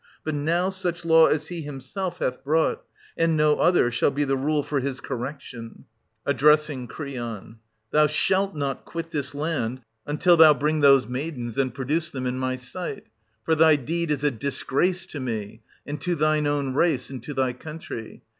But now such law as he himself hath brought, and no other, shall be the rule for his correction. — {Addressing Creon.) Thou shalt not quit this land until thou bring those 910— 94i] OEDIPUS AT COLONUS, 95 maidens, and produce them in my sight ; for thy deed 910 is a disgrace to me, and to thine own race, and to thy country.